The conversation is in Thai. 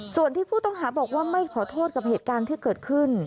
ส่วนที่ผู้ต้องหาบอกว่าไม่ขอโทษกับเหตุการณ์ที่เกิดขึ้น